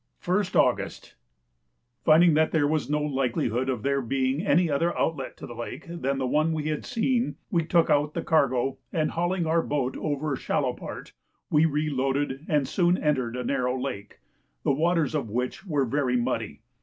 1st August. Finding that there was no likelihood of there being any other outlet to the lake than the one we had seen, we took out the cargo, and hauling our boat over a shallow part, we reloaded and soon entered a narrow lake, the waters of which were very muddy.